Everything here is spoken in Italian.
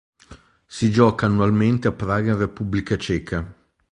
Si gioca annualmente a Praga in Repubblica Ceca.